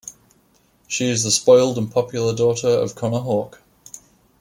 She is the spoiled and popular daughter of Connor Hawke.